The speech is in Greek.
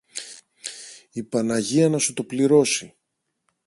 Η Παναγία να σου το πληρώσει!